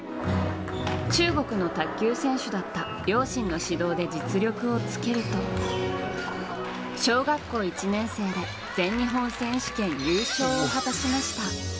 中国の卓球選手だった両親の指導で実力をつけると小学校１年生で全日本選手権優勝を果たしました。